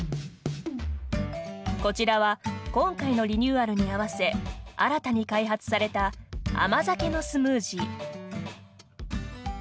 こちらは、今回のリニューアルに合わせ、新たに開発された甘酒のスムージー。